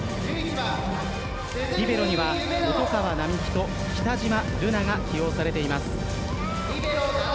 リベロには音川南季と北島瑠渚が起用されています。